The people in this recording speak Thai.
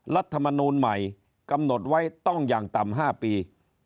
รัฐมนูลใหม่กำหนดไว้ต้องอย่างต่ำ๕ปี